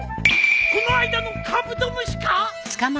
この間のカブトムシか！？